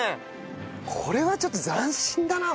これはちょっと斬新だなホントに。